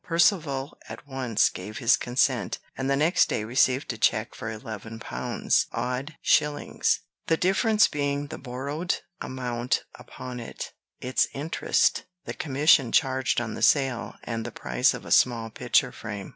Percivale at once gave his consent, and the next day received a check for eleven pounds, odd shillings; the difference being the borrowed amount upon it, its interest, the commission charged on the sale, and the price of a small picture frame.